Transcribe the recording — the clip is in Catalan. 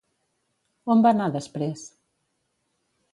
On va anar després?